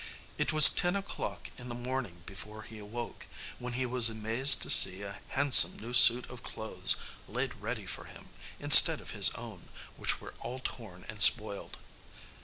It was ten o'clock in the morning before he awoke, when he was amazed to see a handsome new suit of clothes laid ready for him, instead of his own, which were all torn and spoiled.